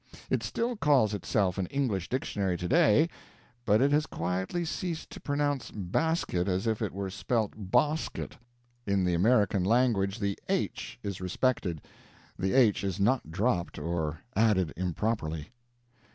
It still calls itself an English Dictionary today, but it has quietly ceased to pronounce 'basket' as if it were spelt 'bahsket.' In the American language the 'h' is respected; the 'h' is not dropped or added improperly."